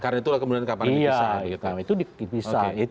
karena itulah kemudian kapan dipisah